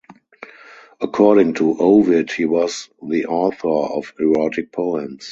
According to Ovid he was the author of erotic poems.